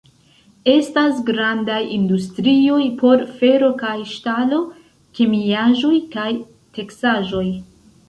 Estas grandaj industrioj por fero kaj ŝtalo, kemiaĵoj kaj teksaĵoj.